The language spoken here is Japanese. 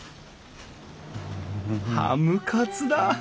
ハムカツだ！